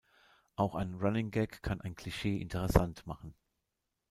Auch ein Running Gag kann ein Klischee interessant machen.